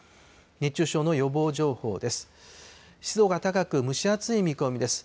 熱中症の予防情報です。